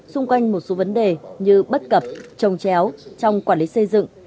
xung quanh một số vấn đề như bất cập trồng chéo trong quản lý xây dựng